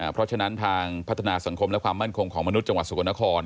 เพราะฉะนั้นทางพัฒนาสังคมและความมั่นคงของมนุษย์จังหวัดสกลนคร